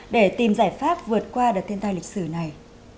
để tìm giải pháp vượt qua đợt thiên tai lịch sử này